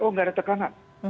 oh tidak ada tekanan